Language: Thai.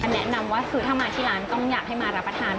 แนะนำว่าคือถ้ามาที่ร้านต้องอยากให้มารับประทาน